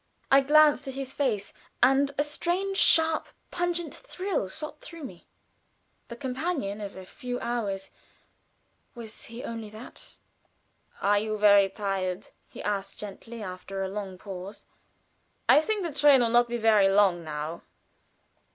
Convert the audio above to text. I glanced at his face, and a strange, sharp, pungent thrill shot through me. The companion of a few hours was he only that? "Are you very tired?" he asked, gently, after a long pause. "I think the train will not be very long now."